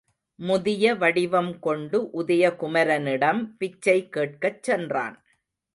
முதிய வடிவம் கொண்டு உதய குமரனிடம் பிச்சை கேட்கச் சென்றான்.